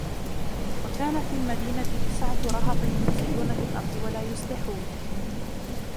وكان في المدينة تسعة رهط يفسدون في الأرض ولا يصلحون